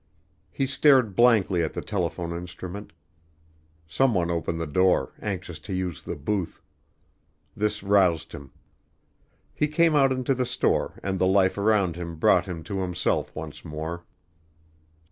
He stared blankly at the telephone instrument. Some one opened the door, anxious to use the booth. This roused him. He came out into the store, and the life around him brought him to himself once more.